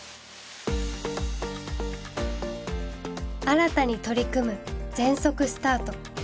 新たに取り組む全速スタート。